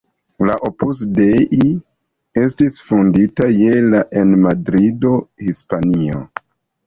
La Opus Dei estis fondita je la en Madrido, Hispanio.